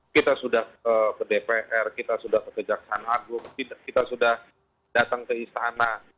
kita sudah ke dpr kita sudah ke kejaksaan agung kita sudah datang ke istana